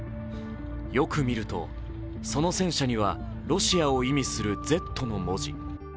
よく見るとその戦車にはロシアを意味するＺの文字。